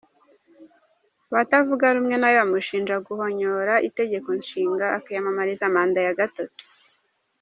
Abatavuga rumwe na we bamushinja guhonyora itegeko nshinga akiyamamariza manda ya gatatu.